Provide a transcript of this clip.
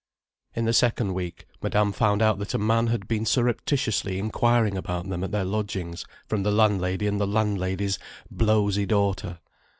In the second week, Madame found out that a man had been surreptitiously inquiring about them at their lodgings, from the landlady and the landlady's blowsy daughter.